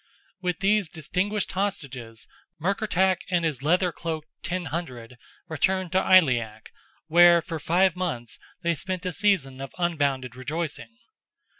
With these distinguished hostages, Murkertach and his leather cloaked "ten hundred" returned to Aileach, where, for five months, they spent a season of unbounded rejoicing.